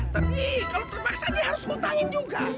tapi kalau terpaksa dia harus ngutangin juga